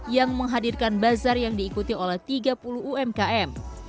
yang menghadirkan bazar yang diikuti oleh tiga puluh umkm